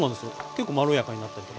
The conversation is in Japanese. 結構まろやかになったりとかして。